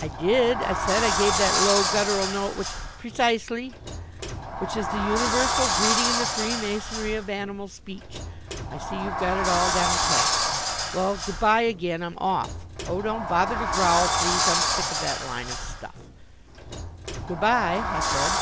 "I did," I said. "I gave that low guttural note which " "Precisely which is the universal greeting in the freemasonry of animal speech. I see you've got it all down pat. Well, good bye again. I'm off. Oh, don't bother to growl, please. I'm sick of that line of stuff." "Good bye," I said.